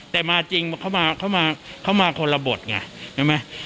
แต่มาจริงเขามาเขามาเขามาคนระบบไงเห็นไหมอืม